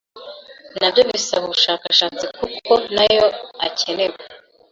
nabyo bisaba ubushakashatsi kuko nayo akenewe